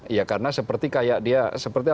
ya karena seperti